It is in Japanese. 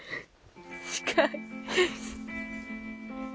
近い。